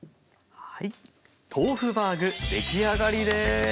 豆腐バーグ出来上がりです。